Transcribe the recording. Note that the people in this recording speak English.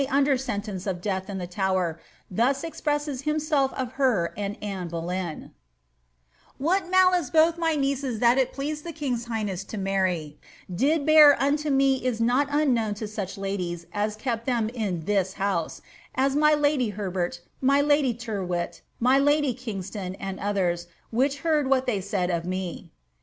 jKf under sentence or death in the Tower, thua expresaea himself of ber •n<J Anne Buleyn: —'What lualice both my nieces thai it pleased the king's highn miry did heat unto me is not unknown to such ladies as kepi them in tida himte' as my lady Herbert, my laJy Tyrwitt, niy lady Kingston, ■nd others, which heard what they said of me."